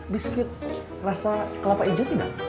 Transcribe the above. biskuit rasa kelapa hijau tidak